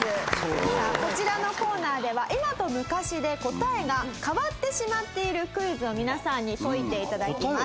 さあこちらのコーナーでは今と昔で答えが変わってしまっているクイズを皆さんに解いて頂きます。